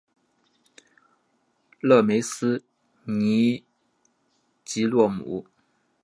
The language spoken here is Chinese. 勒梅斯尼吉洛姆。